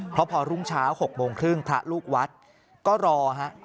เพราะพอรุ่งเช้า๖โมงครึ่งพระลูกวัดก็รอฮะ